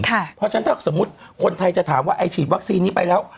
เพราะฉะนั้นถ้าสมมุติคนไทยจะถามว่าไอ้ฉีดวัคซีนนี้ไปแล้ว